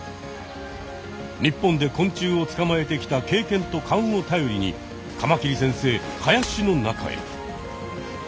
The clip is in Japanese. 日本で昆虫をつかまえてきた経験とかんをたよりにカマキリ先生林の中へ。